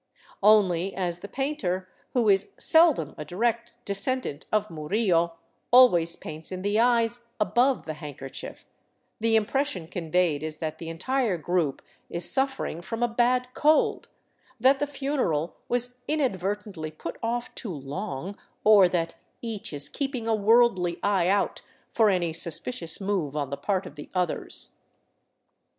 Only, as the painter, who is seldom a direct descendant of Murillo, always paints in the eyes above the handkerchief, the impression conveyed is that the en tire group is suffering from a bad cold, that the funeral was inad vertently put off too long, or that each is keeping a worldly eye out for any suspicious move on the part of the others.